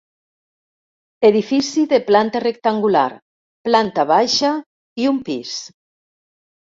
Edifici de planta rectangular, planta baixa i un pis.